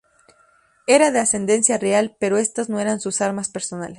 Era de ascendencia real, pero estas no eran sus armas personales.